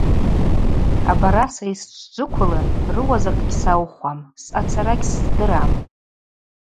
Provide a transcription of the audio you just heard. Абараса йысчвджвыквлын рыуа закӏ гьсаухуам, съацара гьсыздырам.